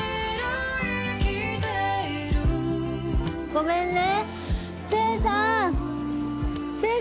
・ごめんね。